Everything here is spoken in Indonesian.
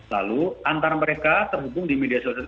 lalu antara mereka terhubung di media sosial